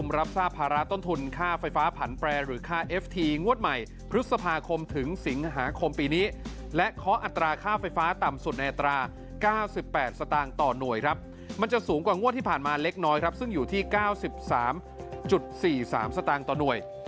มันจะสูงกว่างวดที่ผ่านมาเล็กน้อยครับซึ่งอยู่ที่๙๓๔๓สตางค์ต่อหน่วย